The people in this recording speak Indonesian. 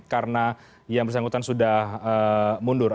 karena yang bersangkutan sudah mundur